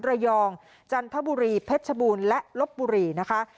ระยองจันทบุรีพฤษบูรณ์และรบบุรีนะคะ